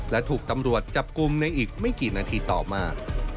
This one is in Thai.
และถูกตำรวจจับกลุ่มในอีกไม่กี่นาทีต่อมา